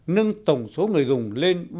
nâng tổng số người dùng lên ba năm